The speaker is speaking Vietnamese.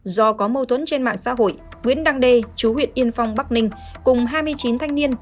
do có mâu thuẫn trên mạng xã hội nguyễn đăng đê chú huyện yên phong bắc ninh cùng hai mươi chín thanh niên